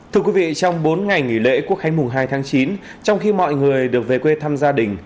thưa quý vị trong bốn ngày nghỉ lễ quốc khánh mùng hai tháng chín trong khi mọi người được về quê thăm gia đình